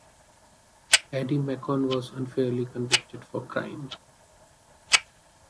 Eddie Macon was unfairly convicted for crime.